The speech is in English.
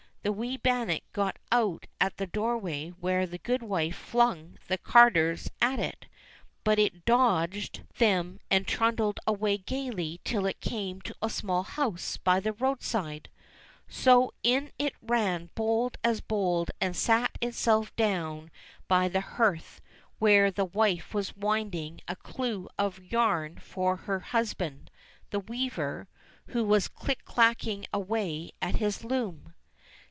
The wee bannock got out at the doorway where the goodwife flung the carders at it ; but it dodged 258 ENGLISH FAIRY TALES them and trundled away gaily till it came to a small house by the road side. So in it ran bold as bold and sate itself down by the hearth where the wife was winding a clue of yarn for her husband, the weaver, who was click clacking away at his loom.